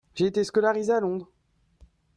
J'ai été scolarisé à Londres.